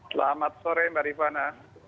selamat sore mbak rifana